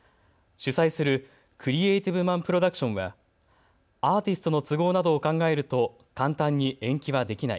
主催するクリエイティブマンプロダクションはアーティストの都合などを考えると簡単に延期はできない。